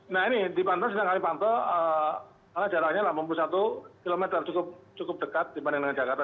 nah ini di banten sedangkan di banten jaraknya delapan puluh satu km cukup dekat dibanding dengan jakarta